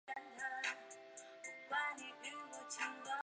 宽刺绢毛蔷薇为蔷薇科蔷薇属绢毛蔷薇下的一个变型。